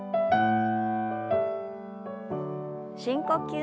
深呼吸。